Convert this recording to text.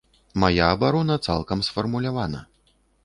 Мая абарона цалкам сфармулявана.